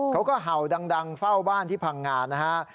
เขาก็เห่าดังเฝ้าบ้านที่พังงานะฮะ